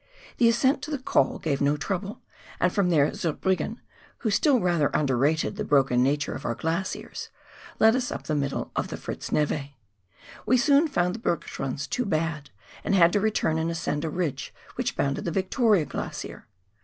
The ascent to the col gave no trouble, and from there Zurbriggen, who still rather underrated the broken nature of our glaciers, led us up the middle of the Fritz neve. We soon found the hergschrunds too bad, and had to return and ascend a ridge which bounded the Victoria Glacier.